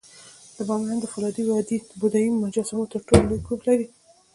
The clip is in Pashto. د بامیانو د فولادي وادي د بودایي مجسمو تر ټولو لوی ګروپ لري